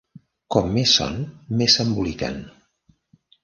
Com més són més s'emboliquen.